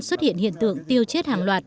xuất hiện hiện tượng tiêu chết hàng loạt